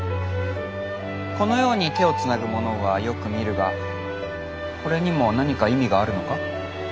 このように手をつなぐ者はよく見るがこれにも何か意味があるのか？